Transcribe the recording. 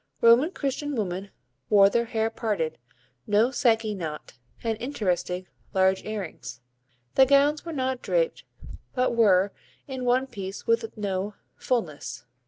Roman Christian women wore their hair parted, no Psyche knot, and interesting, large earrings. The gowns were not draped, but were in one piece and with no fulness.